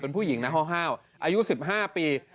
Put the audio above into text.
เป็นผู้หญิงนะห้าวอายุ๑๕ปี